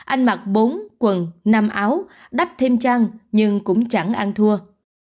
anh mặc bốn quần năm áo đắp thêm trang nhưng cũng chẳng ăn thua